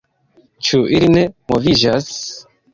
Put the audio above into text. Ĉu ili ne moviĝas?